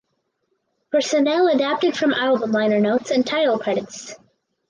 Personnel adapted from album liner notes and Tidal credits.